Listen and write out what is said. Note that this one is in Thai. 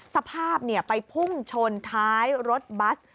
สภาพไปพุ่งชนท้ายรถบัส